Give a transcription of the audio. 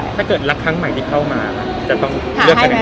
ถ้าเกิดรักครั้งใหม่ที่เข้ามาจะต้องเลือกกันยังไง